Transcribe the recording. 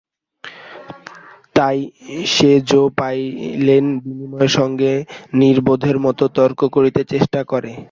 তাই সে জো পাইলেই বিনয়ের সঙ্গে নির্বোধের মতো তর্ক করিতে চেষ্টা করে।